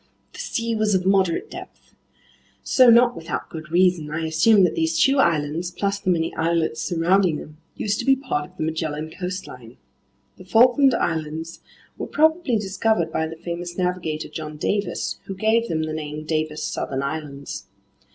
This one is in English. The sea was of moderate depth. So not without good reason, I assumed that these two islands, plus the many islets surrounding them, used to be part of the Magellan coastline. The Falkland Islands were probably discovered by the famous navigator John Davis, who gave them the name Davis Southern Islands.